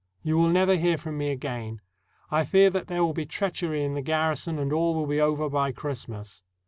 You will never hear from me again. I fear that there will be treachery in the garrison, and all will be over by Christmas."